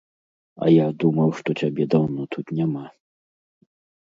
А я думаў, што цябе даўно тут няма.